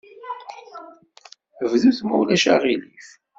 Bdut, ma ulac aɣilif.